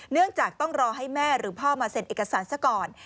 เนื่องจากต้องรอให้แม่หรือพ่อมาเซ็นเอกสารซะก่อน